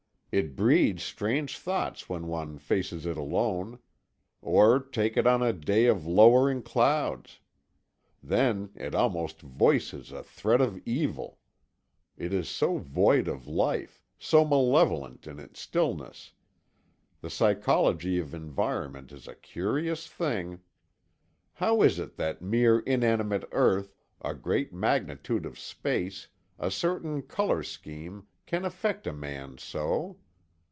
It breeds strange thoughts when one faces it alone. Or take it on a day of lowering clouds. Then it almost voices a threat of evil. It is so void of life, so malevolent in its stillness. The psychology of environment is a curious thing. How is it that mere inanimate earth, a great magnitude of space, a certain color scheme, can affect a man so?